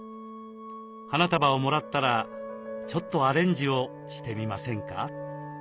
花束をもらったらちょっとアレンジをしてみませんか？